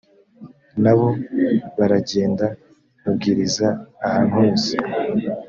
na bo baragenda babwiriza ahantu hose